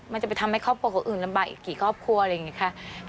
มันจะไปทำให้ครอบครัวครัวอื่นระบาดกี่ครอบครัวอะไรอย่างนี้